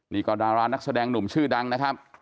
นี่ก็ดารานักแสดงหนุ่มชื่อดังนะครับ